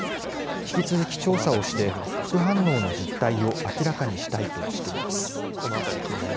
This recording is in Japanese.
引き続き調査をして副反応の実態を明らかにしたいとしています。